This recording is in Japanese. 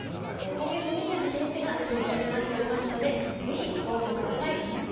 今月２８日が締め切りとなっておりますのでぜひご応募ください。